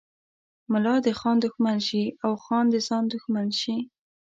ملا د خان دښمن شي او خان د ځان دښمن شي.